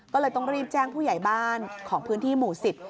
ก็เลยต้องรีบแจ้งผู้ใหญ่บ้านของพื้นที่หมู่๑๐